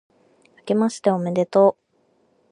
あけましておめでとう、